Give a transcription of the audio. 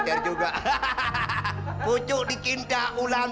tarzan bangun tarzan